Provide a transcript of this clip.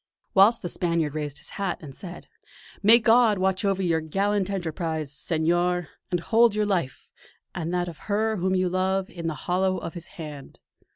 Whilst the Spaniard raised his hat and said: "May God watch over your gallant enterprise, Senor; and hold your life, and that of her whom you love, in the hollow of His hand!"